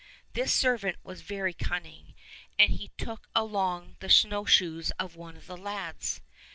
This servant was very cunning, and he took along the snowshoes of one of the lads.